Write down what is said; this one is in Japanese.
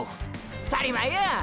ったり前や！！